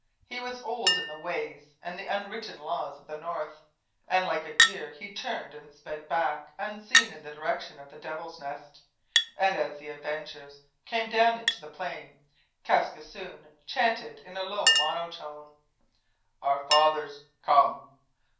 He was old in the ways and the unwritten laws of the North, and like a deer he turned and sped back unseen in the direction of the Devil's Nest. And as the avengers came down into the plain Kaskisoon chanted in a low monotone: Our fathers come!